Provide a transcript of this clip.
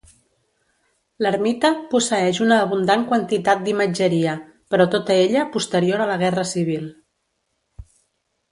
L'ermita posseeix una abundant quantitat d'imatgeria, però tota ella posterior a la Guerra Civil.